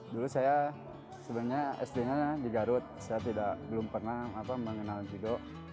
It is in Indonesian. dulu saya sebenarnya s lima di garut saya belum pernah mengenal judo